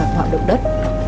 bỏ động đất